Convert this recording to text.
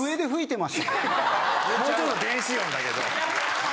もうちょっと電子音だけど。